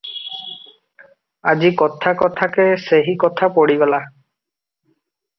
ଆଜି କଥା କଥାକେ ସେହି କଥା ପଡ଼ିଗଲା ।